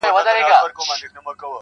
هوا ژړيږي له چينار سره خبرې کوي,